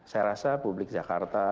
saya rasa publik jakarta